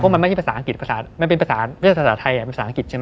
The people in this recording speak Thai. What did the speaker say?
มันเป็นภาษาไทยภาษาอังกฤษใช่ไหม